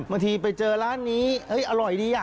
เมื่อทีไปเจอร้านนี้เฮ้ยอร่อยดี